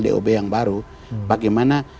dob yang baru bagaimana